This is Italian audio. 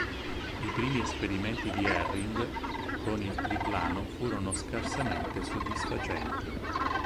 I primi esperimenti di Herring con il triplano furono scarsamente soddisfacenti.